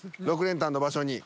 ６連単の場所に。